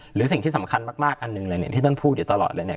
หรือสิ่งที่สำคัญมากอันหนึ่งเลยเนี่ยที่ท่านพูดอยู่ตลอดเลยเนี่ย